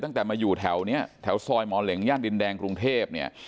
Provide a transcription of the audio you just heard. ตั้งแต่มาอยู่แถวนี้แถวซอยหมอเหล็งย่านดินแดงกรุงเทพเนี่ย